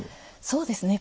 そうですね。